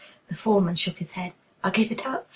The foreman shook his head. "I give it up.